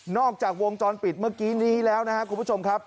อกจากวงจรปิดเมื่อกี้นี้แล้วนะครับคุณผู้ชมครับ